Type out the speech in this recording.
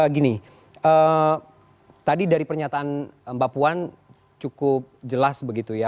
gini tadi dari pernyataan bapuan cukup jelas begitu ya